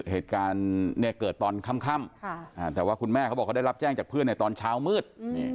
เหตุการณ์เกิดตอนคัมแต่ว่าคุณแม่เขาได้รับแจ้งคือนายตอนเช้ามืด